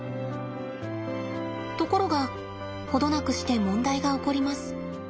ところが程なくして問題が起こります。